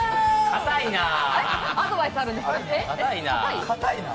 硬いなぁ。